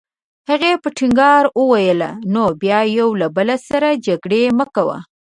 هغې په ټینګار وویل: نو بیا یو له بل سره جګړې مه کوئ.